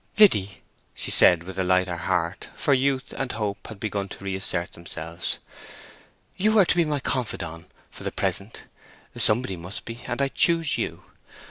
"Liddy," she said, with a lighter heart, for youth and hope had begun to reassert themselves; "you are to be my confidante for the present—somebody must be—and I choose you.